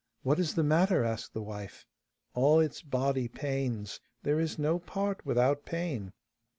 'What is the matter?' asked the wife. 'All its body pains; there is no part without pain.